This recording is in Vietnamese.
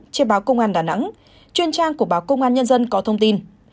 trên báo công an đà nẵng chuyên trang của báo công an nhân dân có thông tin